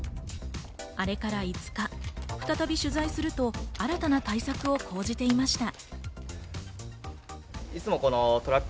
あれから５日、再び取材すると、新たな対策を講じていました。